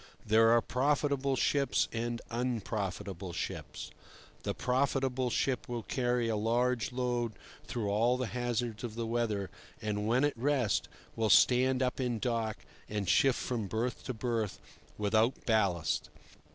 There are profitable ships and unprofitable ships. The profitable ship will carry a large load through all the hazards of the weather, and, when at rest, will stand up in dock and shift from berth to berth without ballast.